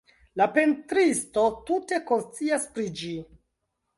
La pentristo tute konscias pri ĝi.